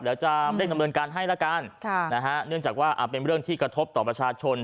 เดี๋ยวจะเร่งดำเนินการให้ละกันเนื่องจากว่าเป็นเรื่องที่กระทบต่อประชาชน